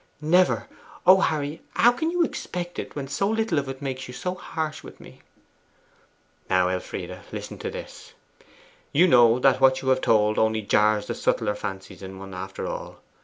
'Never. O Harry! how can you expect it when so little of it makes you so harsh with me?' 'Now, Elfride, listen to this. You know that what you have told only jars the subtler fancies in one, after all.